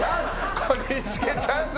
小西家チャンス！